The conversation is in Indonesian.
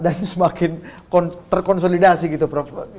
dan semakin terkonsolidasi gitu prof